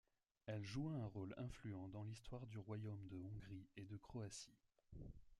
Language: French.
Elle joua un rôle influent dans l'histoire du royaume de Hongrie et de Croatie.